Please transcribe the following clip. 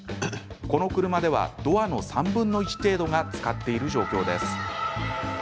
この車ではドアの３分の１程度がつかっている状況です。